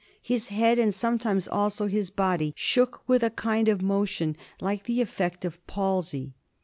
His head, and sometimes also his body, shook with a kind of motion like the effect of palsy.